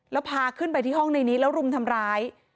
แล้วพาขึ้นไปที่ห้องในนี้แล้วรุมทำร้าย